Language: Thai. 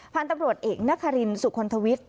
พันธุ์ตำรวจเอกนครินสุคลทวิทย์